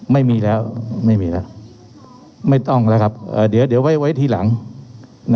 ไม่มีแล้วไม่ต้องแล้วครับเดี๋ยวไว้ทีหลังนะครับ